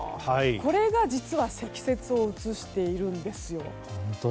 これが実は積雪を映しているんですよ。